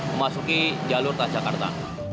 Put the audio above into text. memasuki jalur transjakarta